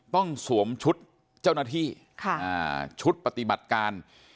ต้องสวมชุดเจ้าหน้าที่ค่ะอ่าชุดปฏิบัติการ